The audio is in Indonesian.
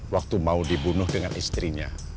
waktu mau dibunuh dengan istrinya